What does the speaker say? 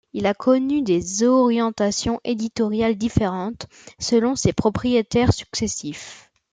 Il a connu des orientations éditoriales différentes, selon ses propriétaires successifs.